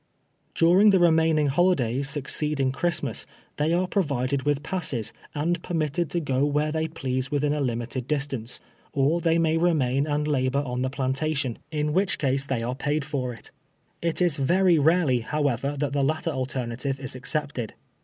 During the remaining lioli(bivs succeeding Christ mas, they are provided with passes, and permitted to go where they please within a limited distance, or they may remain and labor on the plantation, in THREE DAYS IN" THE TEAR. 221 wliicli case they are paid for it. It is very rarely, however, that the hitter alternative is accepted.